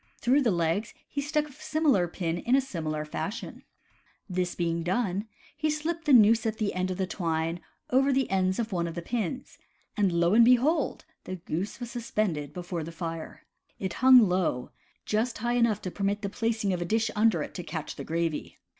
Through the legs he stuck a similar pin in a similar fashion. This being done, he slipped the noose at the end of the twine over the ends of one of the pins. And lo and behold ! the goose was suspended before the fire. It hung low — just high enough to permit the placing of a dish under it to catch the gravy.